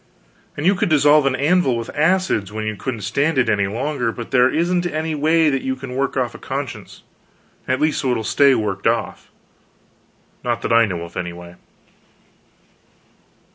And you could dissolve an anvil with acids, when you couldn't stand it any longer; but there isn't any way that you can work off a conscience at least so it will stay worked off; not that I know of, anyway.